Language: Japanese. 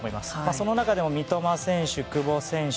その中でも三笘選手、久保選手